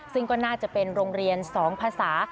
ซึ่งก็น่าจะเป็นโรงเรียน๒ภาษา